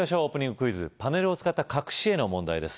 クイズパネルを使った隠し絵の問題です